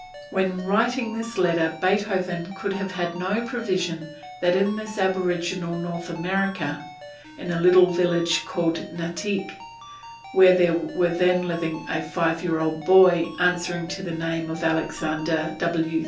[D] When writing this letter Beethoven could have had no prevision that in this aboriginal North America, in a little village called Natick, there was then living a five year old boy, answering to the name of Alexander W.